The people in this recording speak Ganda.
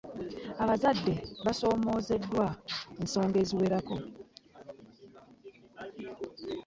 Abazadde basoomoozeddwa ensonga eziwerako.